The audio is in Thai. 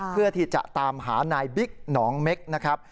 เพื่อที่จะตามหานายบิ๊กหนองเม็กนะครับ